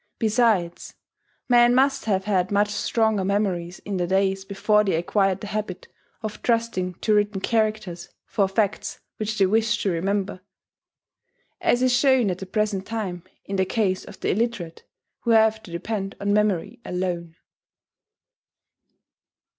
Besides, men must have had much stronger memories in the days before they acquired the habit of trusting to written characters for facts which they wished to remember, as is shown at the present time in the case of the illiterate, who have to depend on memory alone."